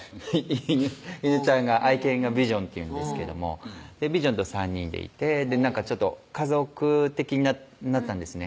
犬ちゃんが愛犬がビジョンっていうんですけどもビジョンと３人でいてなんかちょっと家族的になったんですね